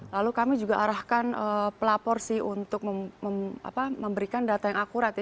lalu kami juga arahkan pelapor sih untuk memberikan data yang akurat ya